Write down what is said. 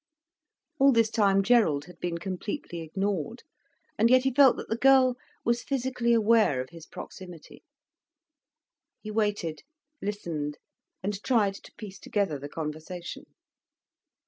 All this time Gerald had been completely ignored. And yet he felt that the girl was physically aware of his proximity. He waited, listened, and tried to piece together the conversation.